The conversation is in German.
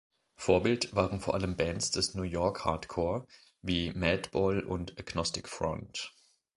Vorbild waren vor allem Bands des New York Hardcore wie Madball und Agnostic Front.